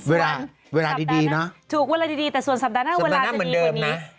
เวลาเวลาดีดีนะถูกเวลาดีดีแต่ส่วนสัปดาห์หน้าเวลาจะดีกว่านี้